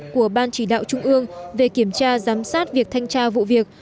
của ban chỉ đạo trung ương về kiểm tra giám sát việc thanh tra vụ việc